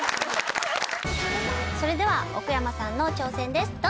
それでは奥山さんの挑戦です。